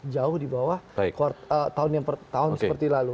jauh di bawah tahun yang pertama seperti lalu